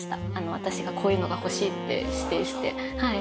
私がこういうのが欲しいって指定してはい。